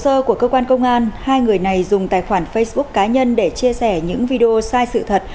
hồ sơ của cơ quan công an hai người này dùng tài khoản facebook cá nhân để chia sẻ những video sai sự thật